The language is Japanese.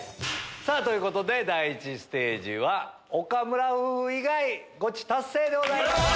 さぁということで第１ステージは岡村夫婦以外ゴチ達成でございます。